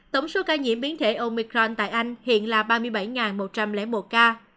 tổng số ca nhiễm biến thể omicron tại anh hiện là ba mươi bảy một trăm linh một ca